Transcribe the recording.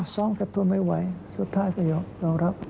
ซ้อมกับตัวไม่ไหวสุดท้ายก็ยอมรับ